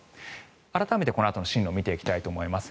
改めて、このあとの進路を見ていきたいと思います。